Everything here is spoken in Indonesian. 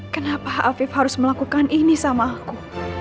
kenapa hafif harus melakukan ini sama aku